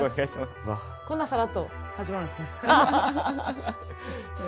こんなサラッと始まるんですね？